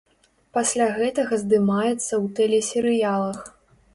Пасля гэтага здымаецца ў тэлесерыялах.